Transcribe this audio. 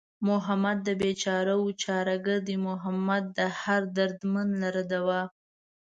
محمد د بېچارهوو چاره گر دئ محمد دئ هر دردمند لره دوا